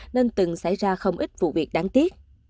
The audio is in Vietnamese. nên từng xảy ra không ít vụ việc đáng tiếc